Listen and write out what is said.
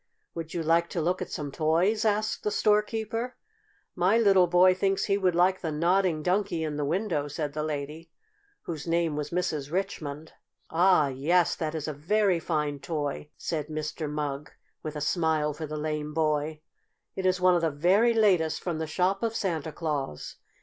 "Would you like to look at some toys?" asked the storekeeper. "My little boy thinks he would like the Nodding Donkey in the window," said the lady, whose name was Mrs. Richmond. "Ah, yes, that is a very fine toy!" said Mr. Mugg, with a smile for the lame boy. "It is one of the very latest from the shop of Santa Claus.